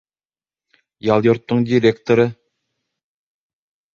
— Ял йортоноң директоры.